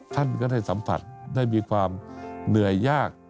ท่านก็ได้สัมผัสได้มีความเหนื่อยยาก